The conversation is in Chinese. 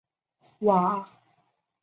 拉瓦勒是加拿大的一个城市。